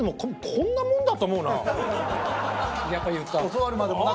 教わるまでもなく？